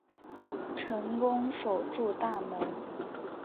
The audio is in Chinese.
成功守住大门